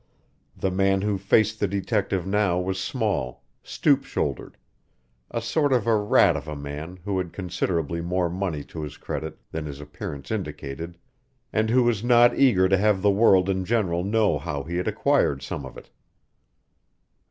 The man who faced the detective now was small, stoop shouldered, a sort of a rat of a man who had considerably more money to his credit than his appearance indicated, and who was not eager to have the world in general know how he had acquired some of it.